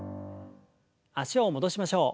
脚を戻しましょう。